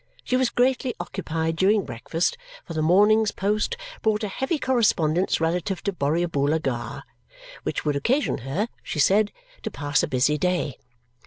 She was greatly occupied during breakfast, for the morning's post brought a heavy correspondence relative to Borrioboola Gha, which would occasion her (she said) to pass a busy day.